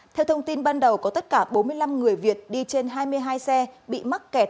theo thông tin ban đầu có tất cả bốn mươi năm người việt đi trên hai mươi hai xe bị mắc kẹt